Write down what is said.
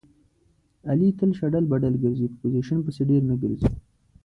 علي تل شډل بډل ګرځي. په پوزیشن پسې ډېر نه ګرځي.